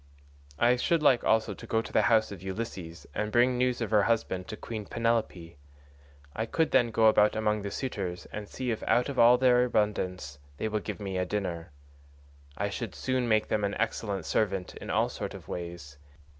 I should like also to go to the house of Ulysses and bring news of her husband to Queen Penelope. I could then go about among the suitors and see if out of all their abundance they will give me a dinner. I should soon make them an excellent servant in all sorts of ways.